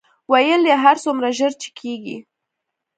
ویل یې هر څومره ژر چې کېږي.